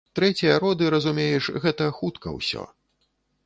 Трэція роды, разумееш, гэта хутка ўсё.